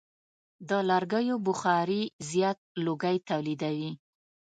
د لرګیو بخاري زیات لوګی تولیدوي.